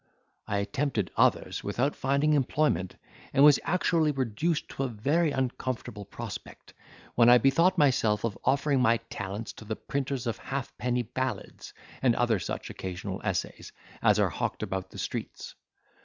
I attempted others without finding employment, and was actually reduced to a very uncomfortable prospect, when I bethought myself of offering my talents to the printers of half penny ballads and other such occasional essays, as are hawked about the streets.